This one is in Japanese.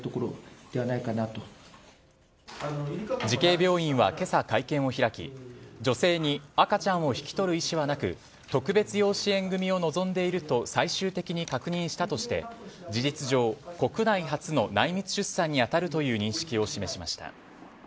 慈恵病院は今朝、会見を開き女性に赤ちゃんを引き取る意思はなく特別養子縁組を望んでいると最終的に確認したとして事実上国内初の内密出産に当たるという認識を示しました。